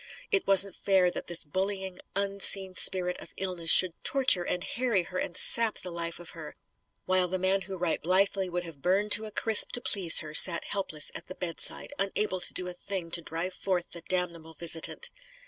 It wasn't fair that this bullying unseen spirit of illness should torture and harry her and sap the life of her while the man who right blithely would have been burned to a crisp to please her, sat helpless at the bedside, unable to do a thing to drive forth the damnable visitant!